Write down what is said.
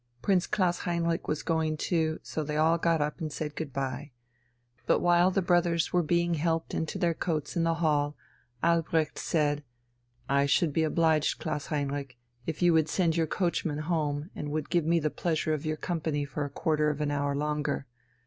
Prince Klaus Heinrich was going too, so they all got up and said good bye. But while the brothers were being helped into their coats in the hall, Albrecht said: "I should be obliged, Klaus Heinrich, if you would send your coachman home and would give me the pleasure of your company for a quarter of an hour longer.